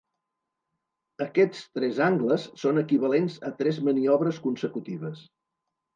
Aquests tres angles són equivalents a tres maniobres consecutives.